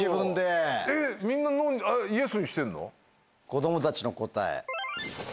子供たちの答え。